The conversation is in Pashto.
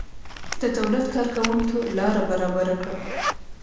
د دولت کارکوونکیو لاره برابره کړه.